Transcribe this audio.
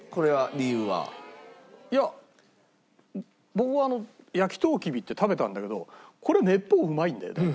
僕あの焼とうきびって食べたんだけどこれめっぽううまいんだよね。